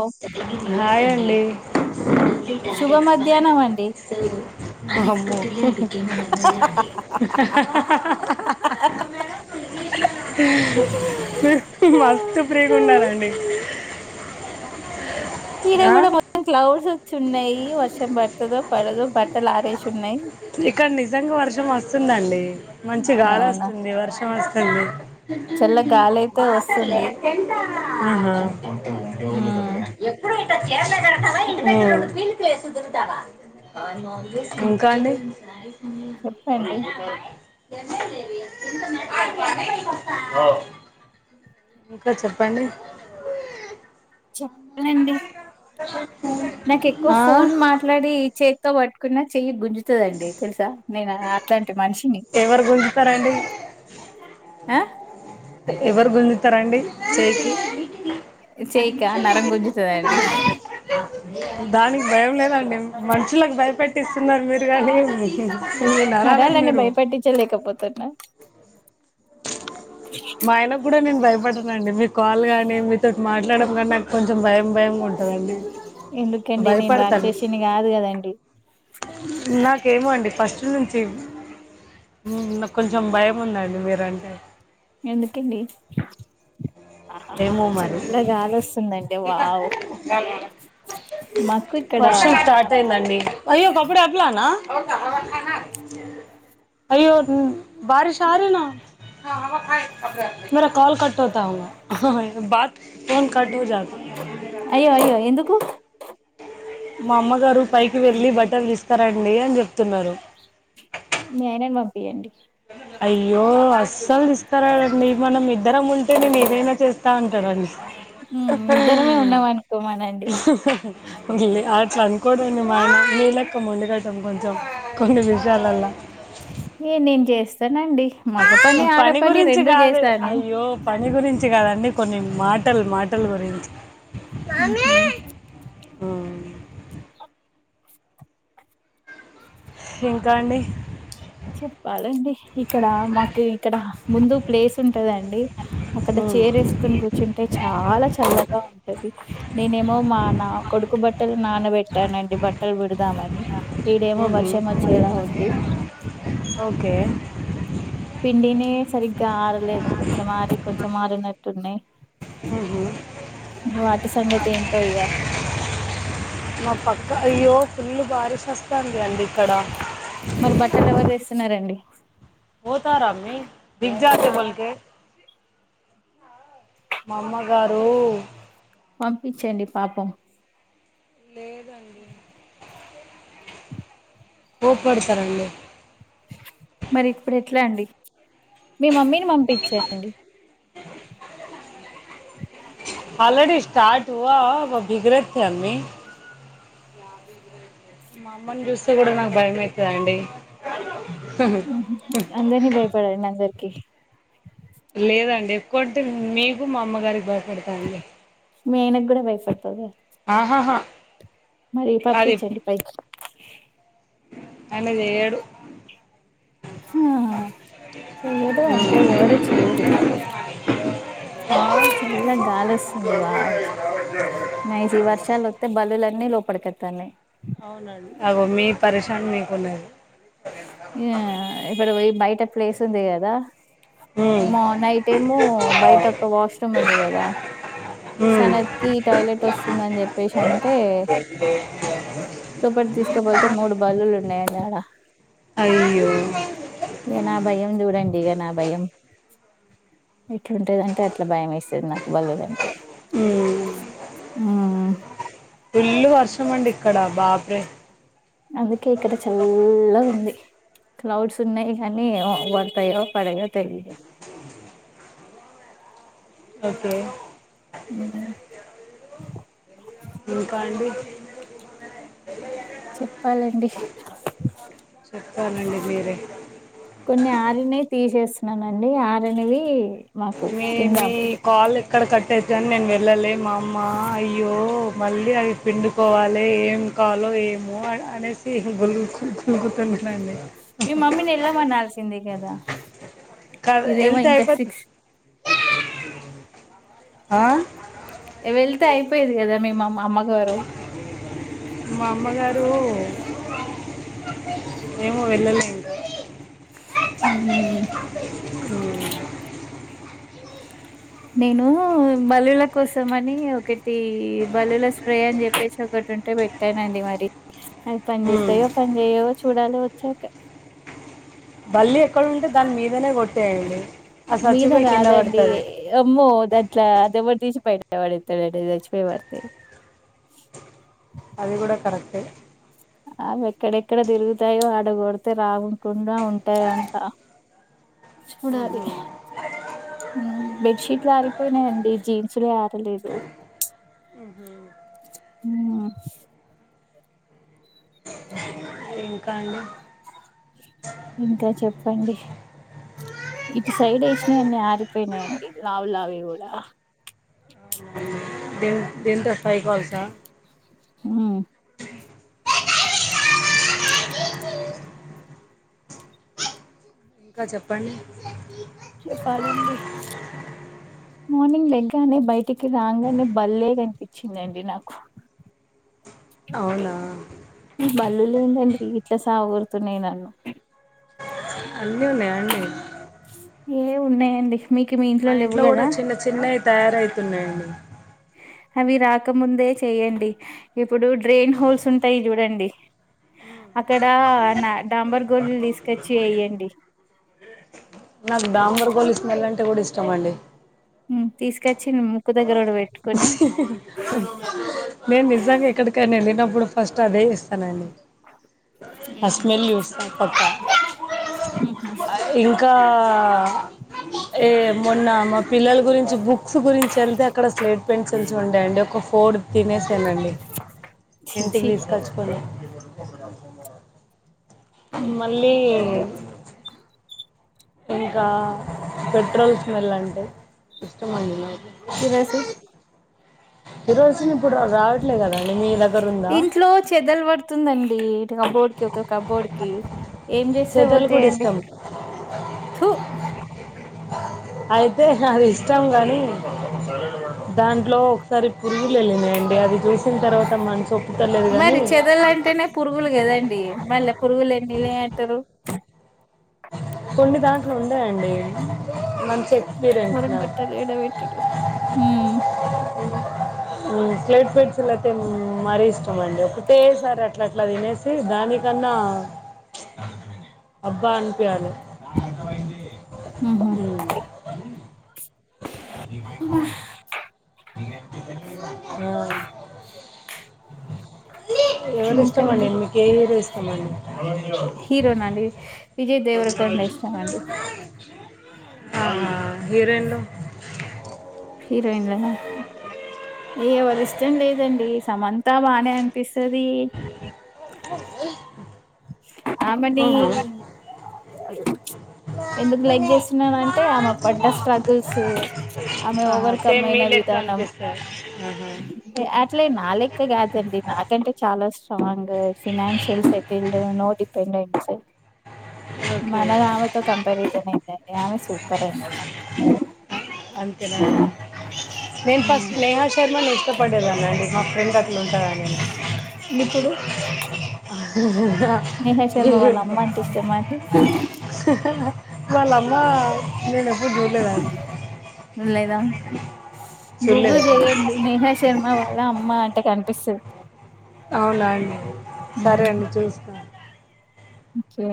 ఓ hi అండి శుభ మధ్యాహ్నం అండి వామ్మో మీరు మస్తు ఫ్రీగా ఉన్నానండి ఈడ ఆ కూడా మొత్తం క్లౌడ్స్ వచ్చి ఉన్నాయి, వర్షం పడుతదో పడదొ బట్టలు ఆరేసి ఉన్నాయి. ఇక్కడ నిజంగ వర్షం వస్తుందండి మంచి గాలి అవునా వస్తుంది వర్షం వస్తుంది. చల్ల గాలి అయితే వస్తుంది ఆహ ఉమ్ మ్ ఇంకా అండి చెప్పండి తెమ్న్నదేవి చి ఇంకా చెప్పండి. చెప్పాలండి, నాకు ఎక్కువ ఆ ఫోన్ మా ట్లాడి చేతితో పట్టుకున్న చెయ్యి గుంజుతుందండి తెలుసా నేను అట్లాం మనిషిని ఎవరు గుంజుతారండి ఆ. ఎవరు గుంజుతరండి చెయికి. పది చేయికా నరం నిమిషాలు గుంజుతదండి [inaudible] దానికి భయం లేదండి. మనుషులకు భయపెట్టిస్తున్నరు మీరు గాని సరేలేండి భయపెట్టిచ్చ లేకపోతున్నా. మా ఆయన కూడా నేను భయపడనండి. మీ కాల్ కానీ మీతోటి మాట్లాడడం కానీ నాకు కొంచెం భయం భయంగా ఉంటదండి. ఎందుకండి నేను రాక్షసిని కాదు కదండి. నాకేమో అండి ఫస్ట్ నుంచి నాకు కొంచెం భయం ఉందండి మీరంటే. ఎందుకండి? ఏమో మరి. చల్లగా గాలోస్తుందండి వావ్ మాకు ఇక్కడ వర్షం స్టార్ట్ అయిందండి. అయ్యో కపుడే అప్లానా. అయ్యో బారిష్ ఆరీనా. మేరా కాల్ కట్ హోతా హుంగా. ఆహా ఆ బాత్ ఫోన్ కట్ హో జా అయ్యో అయ్యో ఎందుకు? మా అమ్మగారు పైకి వెళ్ళి బట్టలు తీసుకరండి అని చెప్తున్నరు. మీ ఆయనని పంపియండి. అయ్యో అస్సలు తీసుకరాడండి మనం ఇద్దరం ఉంటే నేను ఏదైనా చేస్ స్తా అంటడండి. ఇద్దరమే ఉన్నం అనుకోమనండి. అట్లా అనుకోడండి మా ఆయన, నీలెక్క మొండిగటం కొంచెం కొన్ని విషయాలల్లా. ఏ నేను చేస్తనండి. పని గురించి కాదు అయ్యో. పని గురించి కాదండి, కొన్ని మాటలు మాటల గురించి. ఉహ్. ఉమ్. ఇంకా అండి. చెప్పాలండి ఇక్కడ మాకు ఇక్కడ ముందు ప్లేస్ ఉంటందండి. అక్కడ ఉమ్. చేర్ ఎసుకొని కూర్చుంటే చాలా చల్లగా ఉంటది. నేనేమో మా నా కొడుకు బట్టలు నానబెట్టానండి బట్టలు పిండుదాం అని. ఇడేమో ఉహు. వర్షం వచ్చేలా ఉంది. ఓకే. పిండినయే సరిగ్గా ఆరలేదు కొంచెం ఆరి, కొంచెం ఆరనట్టు ఉన్నయి. హ్మ్ వాటి సంగతి ఏంటో ఇగ. మా పక్క అయ్యో ఫుల్ బారిష్ అస్తంది అండి ఇక్కడ. మరి బట్టలు ఎవరు తెస్తున్నరండి? బోత్ఆరా అమ్మీ బిగ్ జాతే బోల్కే. మా అమ్మగారు పంపించండి పాపం. లేదండి. కోప్పడతారండి మరి ఇప్పుడు ఎట్లా అండి మీ మమ్మీని పంపించేయండి ఆల్రెడీ స్టార్ట్ ఉ హ బిగురితేయండి మా అమ్మని చూస్తే కూడా నాకు భయ మవుతుదండి ఉహు అందరినీ భయపడడి అందరికి లేదండి ఎక్కువ అంటే మీకు మా అమ్మగారికి భయపడతానండి మీ ఆయన కూడా భయపడతవ ఆహాహా మరి అది పప్పించండి పైకి ఆయన చేయడు ఆ చెయ్యడు అంతే ఎవరు చెయ్యరు చల్ల గాలి వస్తుంది వావ్ నైస్ ఈ వర్షాలు వతే ఈ బలులన్నీ లోపలికెతన్నాయి అవునండి అగో మీ పరిశన్ మీకు ఉన్నది ఇగ ఇక్కడ బోయి బయట ప్లేస్ ఉంది కదా ఉమ్ మ నైట్ టేమో బయట ఒక వాష్రూమ్ ఉంది కదా ఉమ్ సానక్కి టాయిలెట్ వస్తుందని చెప్పేసి అంటే లోపటి తీసుకపోతే మూడు బల్లులు ఉన్నాయాండీ ఆడ అయ్యో ఇగ నా భయం చూడండి ఇగ నా భయం ఎట్లుంటదంటే అట్లా భయం వేస్తది నాకు బల్లులైన్టే హూ ఉ హ్మ్ ఫుల్లు వర్షం అండి ఇక్కడ బాప్రే అందుకే ఇక్కడ చల్లగా ఉంది క్లౌడ్స్ ఉన్నయి గానీ పడతాయో పడయో తెలియ ఓకే ఉహు ఇంకండి చెప్పాలండి చెప్పాలండి మీరే కొన్ని ఆరినవితీసేస్తున్నానండి ఆరనివి మీ మీ కాలు ఎక్కడ కట్టేయతధనీ నేను వెళ్ళాలి మా అమ్మ అయ్యో మళ్ళీ అవి పిండుకోవాలి ఏం కాలో ఏమో అనేసి గులుగు గలుగుతుట్లాండి మీ మమ్మీని ఎళ్లామనాల్సిందే కదా క ఇదేమో ఇంకా వెళ్తాయిపోత సిక్స్ ఆ వెళ్తే అయిపోయది కదా మీ అమ్మగారు మా అమ్మగారు ఏమో వెళ్ళలేదు ఊ హు ఉమ్. నేను బలుళ కోసం అని ఒకే తి బలుల స్ప్రే అని చెప్పేసి ఒకటి ఉంటే పెట్టానండి మరి అవి పని ఉమ్. చేస్తాయో పని చేయవో చూడాలి వచ్చాక బల్లి ఎక్కడుంటే దాని మీదనే కొట్టేయండి ఆది మీద స్వచ్చిపోయి కింద కాదండి పడుతది అమ్మో దట్లా దవేడు తీసి బయట వాడేతాడు నేను చాచి మరితే అది కూడా కరెక్ట్ ఏ అవి ఎక్కడెక్కడ తిరుగుతాయో ఆడగొడితే రాకుండా ఉంటాయ్ అంట ఉహు. చూడాలి ఉమ్ బెడ్షీట్లు ఆరిపోయినాయండి, జీన్సులు ఆరలేదు. ఉ ఉమ్ ఇంకా అండి? ఇంకా చెప్పండి. ఇటు సైడ్ ఎసినాయియని ఆరిపోయినాయండి లావ్ లావవి కూడా దీన్ దీంతో ఫైవ్ కాల్స్ ఆ ఉమ్ ఇంకా చెప్పండి. చెప్పాలండి మార్నింగ్ లెగ్గానే బయటికి రాగానే బలేగనిపించిందండి నాకు అవునా ఈ బలులు లేందండి, ఇట్లా సవగొడుతున్నాయ్ నన్ను అన్ని ఉన్నాయండీ? ఏ ఉన్నాయండి, మీకు మీ మా ఇంట్లో లేవు కూడా కదా? చిన్న చిన్నవి తయారు అయితున్నాయండి. అవి రాకముందే చెయ్యండి ఇప్పుడు డ్రైన్ హోల్స్ ఉంటాయి చూడండి. అక్కడ నా డాంబర్ గోలీలు తీసుకొచ్చి వేయ్యండి. నాకు డంబర్ గోలీ స్మెల్ అంటే కూడా ఇష్టం అండి. ఉమ్ తీసుకొచ్చి ముక్కు దగ్గర కూడా పెట్ నేను నిజంగా ఎక్కడికైనా వెళ్ళినప్పుడు ఫస్ట్ అదే చెస్ తనండి ఆ స్మెల్ చూస్తా పక్క ఇంకా ఏ మొన్న మా పిల్లలు గురించి బుక్స్ గురించి వెళ్తే అక్కడ స్లేట్ పెన్సిల్స్ ఉండేండి, ఒక ఫోర్ తినేసాను అండి. ఛీ ఇంటికి ఛీ తీసుకొచ్చుకని మళ్ళీ ఇంకా పెట్రోల్ స్మెల్ అంటే ఇష్టం అండి నాకు తినేసి కిరోసిన్ ఇప్పుడు రావట్లేదు కదండి, మీ దగ్గర ఉందా? లో చెదల్ వట్ తుందండి ఇ కబోర్డ్ కి ఒక కబోర్డ్ కి, ఏం చేస్తే చేతలు కూడా పోతాయండి? ఇష్టం తు అయితే అది ఇష్టం గాని దాంట్లో ఒకసారి పురుగులు వెళ్ళినాయండి, అది చూసిన తర్వాత మనసొప్పుతలేదు గాని మరి చెదలు అంటేనే పురుగులు కదండి మళ్ళ పురుగులు ఎల్లినయ్ అంటారు. కొన్ని దాంట్లు ఉండయండి. పొలం పాటలు ఎడా పెట్టుడు? ఉమ్ ఉమ్ స్లేట్ పెన్సిల్స్ అయితే మరీ ఇష్టం అండి. ఒకటే సారి అట్లా అట్లా తినేస్ చే దానికన్నా అబ్బా అనిపియాలి. ఉహు ఉమ్ ఏమైందో మరి నేనేం తినలే ఆ [inaudible] ఎవరి ఇంకండి ఇష్టమండి మీకు ఏ హీరో ఇష్టమండి హీరోన అండి విజయ్ దేవర కొండ ఇష్టం అండి ఆహా హీరోయిన్లు హీరోయిన్లను ఎవరిష్టం లేదండి సమంతా బానే అనిపిస్తది ఇంకా అండి ఆమని ఎందుకు లైక్ చేస్తున్నానంటే ఆమె పడ్డ స్ట్రగుల్స్ అమె ఓవర్కమ్ అయినా విధానం ఆహ అట్ల నా లెక్క కాదండి నాకంటే చాలా స్ట్రాంగ్ ఫినాన్షియల్స్ ఇల్ నో డిపెండ్ ఓకే మన ఆమెతో కంపారిజన్ ఏంటండీ ఆమె సూపర్ అండి అంతేనా అండి నేను ఫస్ట్ నేహా శర్మను ఇష్టపడేదాన అండి మా ఫ్రెండ్ అట్లా ఉంటాదని ఇప్పుడు ఉ ఉ హా నేహా శర్మ వాళ్ళ అమ్మ అంటే ఇష్టమా అండి వాళ్ళమ్మ నేను ఎప్పుడు చూడలేదడీ చూడలేదా చూడలేదు గూగుల్ చెయండి నేహా శర్మ వాళ్ళ అమ్మ అంటే కనిపిస్తుంది అవునా అండి సరే అండి చూస్తాను ఓకే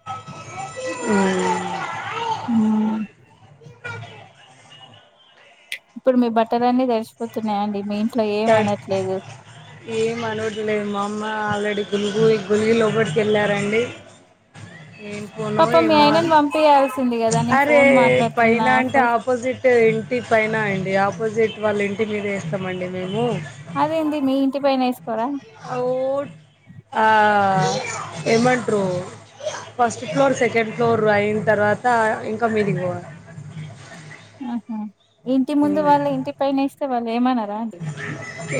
ఆ హ ఇప్పుడు మీ బట్టలన్నీ తెడిచిపోతున్నాయండి మీ ఇంట్లో ఏం థ్యాంక్స్ అనట్లేదు ఏం అనట్లేదు మా అమ్మ ఆల్రెడీ గులిగి గులిగి లోపటి కి వెళ్ళారండి ఏం ఉ పోనో పాప మీ ఏమో ఆయనని అని పంపయాల్సింది కదా నేను అరే ఫోన్ మాట్లాడుతున్నా పైన అంటే అప్పటికి ఆపోజిట్ ఇంటి పైన అండి ఆపోజిట్ వాళ్ళ ఇంటి మీద వేస్తామండి మేము అదేంది మీ ఇంటి పైన వేసుకోరా ఫ్లూట్ ఆ ఏమంట్రు ఫస్ట్ ఫ్లోర్ సెకండ్ ఫ్లోర్ అయిన తర్వాత ఇంకా మీది పోవాలే ఆహా ఇంటి ముందు ఉమ్. వాళ్ళ ఇంటి పైన వేస్తే వాళ్ళు ఏమన్నారా అండి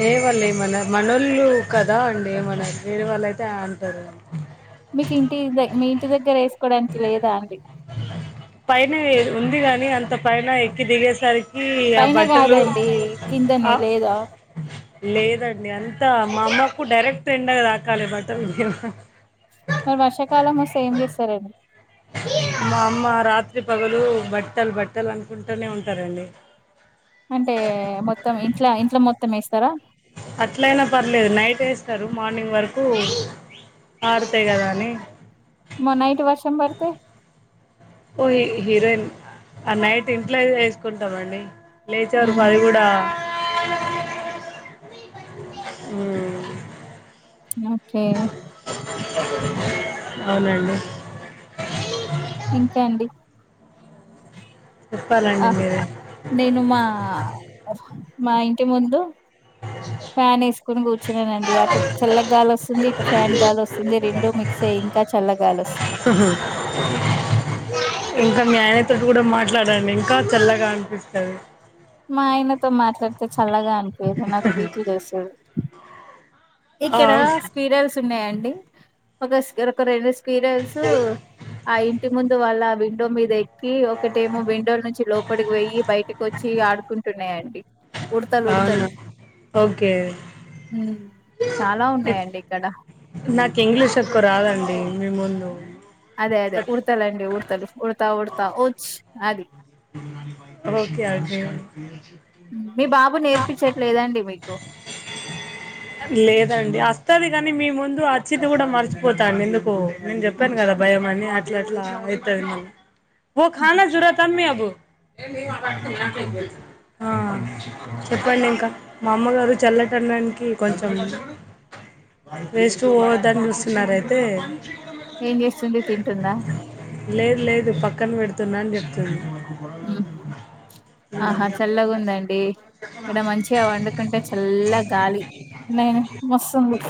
ఏ వాళ్ళు ఏమన్నారు మనళ్ళు కదా అండి ఏమన్నారు వేరే వాళ్ళ అయితే అంటారు మీకు ఇంటి మీ ఇంటి దగ్గర వేసుకోవడానికి లేదా అండి పైన ఉంది గాని అంత పైన ఎక్కి దిగేసరికి ఈ ఆ పైన బట్టలు కాదండి ఆ కిందనే లేదా లేదండి అంతా మా అమ్మకు డైరెక్ట్ ఎండ తాకాలి అన్నమాట మరి వర్షాకాలం వస్తే ఏం చేస్తారండి మా అమ్మ రాత్రి పగలు బట్టలు బట్టలు అనుకుంటూనే ఉంటారండి అంటే మొత్తం ఇంట్ల ఇంట్లో మొత్తం వేస్తరా? అట్లైనా పర్లేదు నైట్ వేస్తరు మార్నింగ్ వరకు ఆరుతాయ్ కదా అని మో నైట్ వర్షం పడ్తే ఓ హీరోయిన్ ఆ నైట్ ఇంట్లో వేస్కుంటామండి లేచారు ఊహు అది కూడా ఓకే అవునండి ఇంకా అండి? ఆ చెప్పాలండి మీరే? నేను మా మా ఇంటి ముందు అ ఫ్యాన్ వేస్కొని కూర్చున్నానండి అటు చల్లగా గాలి వస్తుంది ఇటు ఫ్యాన్ గాలి వస్తుంది రెండు మిక్ సే ఇంకా చల్లగాలి వస్తుంది ఇంకా మీ ఆయనతోటి కూడా మాట్లాడండి ఇంకా చల్లగా అనిపిస్తది మా ఆయనతో మాట్లాడితే చల్లగా అనిపీయదు నాకు బీపి లేస్సది ఇక్కడ అవును స్క్వీరల్స్ ఉన్నాయాండి ఒక స్క్ ఒక రెం స్ కీరల్స్ ఆ ఇంటి ముందు వాళ్ళ విండో మీద ఎక్ క్కి ఒకటేమో విండో నుంచి లోపలికి పొయ్యి బయటకి వచ్చి ఆడుకుంటున్నాయండి ఉడతలు అవునా ఉడతలు ఓకే హ్ము్ చాలా ఉన్నాయండి ఇక్కడ నాకు ఇంగ్లీష్ ఎక్కు రాదండి మీ ముందు అదే అదే ఇట్లా. ఉడతలండి ఉడతలు ఉడతా ఉడతా ఊచ్ అది ఓకే అగే మీ బాబు నేర్పించట్లేదా అండి మీకు? లేదండి అస్తది కానీ మీ ముందు అచ్చిద్ది కూడా మర్చిపోతాండి ఎందుకో? నేను జెప్పాను కదా భయం అని అట్లా అట్లా అయితది మల్ ఓ ఖానా జురతామ్మి ఆ చెప్పండి ఇంకా? మా అమ్మగారు చల్లదనానికి కొంచెం వేస్ట్ పోవద్దని చూస్తున్నారైతే ఏం చేస్తుంది తింటుందా? లేదు లేదు పక్కన పెడుతున్నా అని చెప్తుంది ఊహు ఆహా చల్లగా ఉందండి ఇక్కడ మంచి చిగా వండుకుంటే చల్ల గాలి నేను మస్తుంది